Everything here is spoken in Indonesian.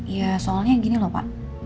ya soalnya gini loh pak